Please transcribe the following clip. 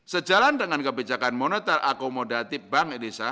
sejalan dengan kebijakan moneter akomodatif bank indonesia